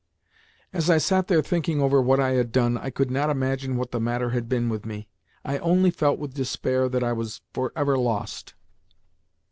As I sat there thinking over what I had done, I could not imagine what the matter had been with me. I only felt with despair that I was for ever lost.